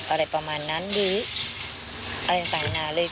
อะไรประมาณนั้นหรืออะไรต่างนานาเลย